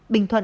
bình thuận ba